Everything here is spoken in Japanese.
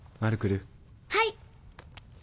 はい。